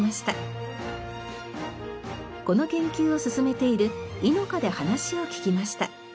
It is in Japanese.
この研究を進めているイノカで話を聞きました。